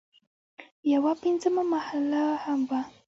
یوه پنځمه محله هم وه.